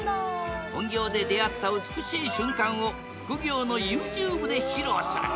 本業で出会った美しい瞬間を副業のＹｏｕＴｕｂｅで披露する。